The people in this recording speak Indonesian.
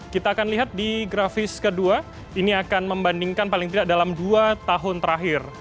kita akan lihat di grafis kedua ini akan membandingkan paling tidak dalam dua tahun terakhir